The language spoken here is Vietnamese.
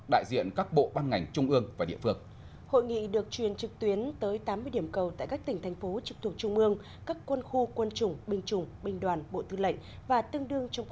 đại diện các bộ ban ngành trung ương và địa phương